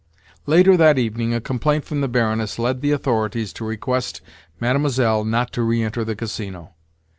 Later that evening a complaint from the Baroness led the authorities to request Mlle. not to re enter the Casino.